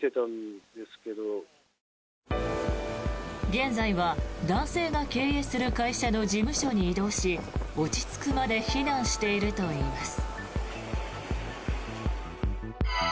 現在は男性が経営する会社の事務所に移動し落ち着くまで避難しているといいます。